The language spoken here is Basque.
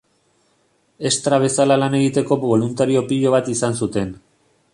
Estra bezala lan egiteko boluntario pilo bat izan zuten.